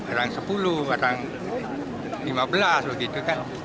kadang sepuluh orang lima belas begitu kan